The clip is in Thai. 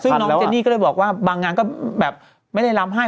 ซึ่งน้องเจนี่ก็เลยบอกว่าบางงานก็แบบไม่ได้ล้ำให้